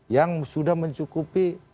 yang sudah mencukupi